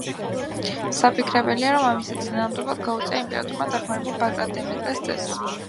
საფიქრებელია, რომ ამის საწინააღმდეგოდ გაუწია იმპერატორმა დახმარება ბაგრატ დემეტრეს ძეს.